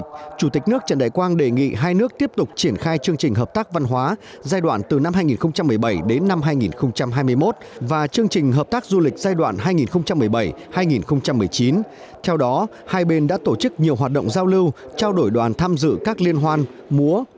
chủ tịch nước trần đại quang bày tỏ vui mừng về những thành tiệu mà nhà nước và nhân dân ai cập đã đạt được trong thời gian qua